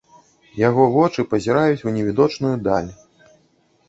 Яго вочы пазіраюць у невідочную даль.